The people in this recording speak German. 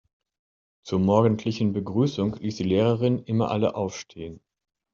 Zur morgendlichen Begrüßung ließ die Lehrerin immer alle aufstehen.